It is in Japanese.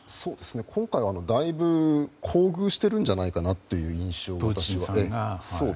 今回はだいぶプーチンさんが厚遇しているんじゃないかなという印象を受けましたね。